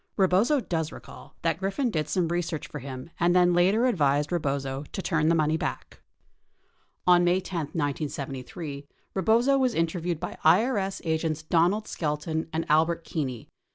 Rebozo does recall that Griffin did some re search for him and then later advised Rebozo to turn the money back. 33 On May 10, 1973, Rebozo was interviewed by IRS agents Donald Skelton and Albert Keeney.